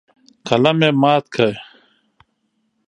قلم یې مات کړ.